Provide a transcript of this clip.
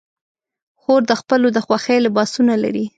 خور د خپلو د خوښې لباسونه لري.